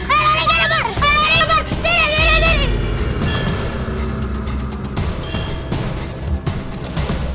tolong ini di rumah ada serangan